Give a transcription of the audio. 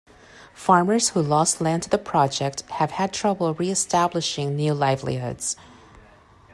Farmers who lost land to the project have had trouble re-establishing new livelihoods.